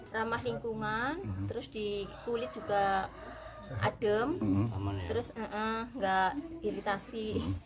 ramah lingkungan terus di kulit juga adem terus nggak iritasi